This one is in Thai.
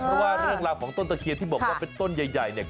เพราะว่าเรื่องราวของต้นตะเคียนที่บอกว่าเป็นต้นใหญ่เนี่ย